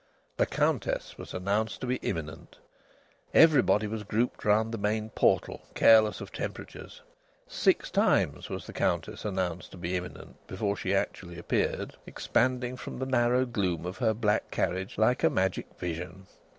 The Countess was announced to be imminent. Everybody was grouped round the main portal, careless of temperatures. Six times was the Countess announced to be imminent before she actually appeared, expanding from the narrow gloom of her black carriage like a magic vision.